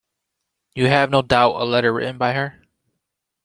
You have, no doubt, a letter written by her?